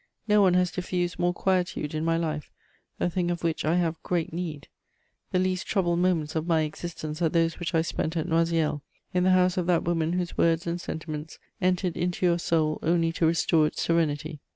No one has diffused more quietude in my life, a thing of which I have great need. The least troubled moments of my existence are those which I spent at Noisiel, in the house of that woman whose words and sentiments entered into your soul only to restore its serenity.